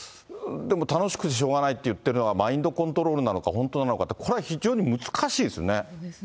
でも楽しくてしょうがないって言ってるのがマインドコントロールなのか、本当なのかって、これ、非常に難しいですね。